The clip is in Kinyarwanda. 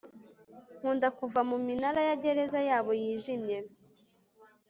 nkunda kuva mu minara ya gereza yabo yijimye